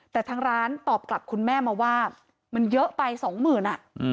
แต่ทางร้านตอบกลับคุณแม่มาว่ามันเยอะไปสองหมื่นอ่ะ